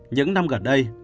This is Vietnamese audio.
những năm gần đây